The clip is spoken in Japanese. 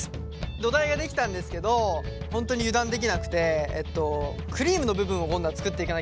土台ができたんですけど本当に油断できなくてクリームの部分を今度は作っていかなければいけません。